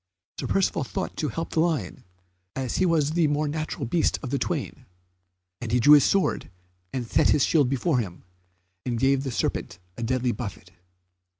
Sir Percivale thought to help the lion, as he was the more natural beast of the twain, and he drew his sword and set his shield before him, and gave the serpent a deadly buffet.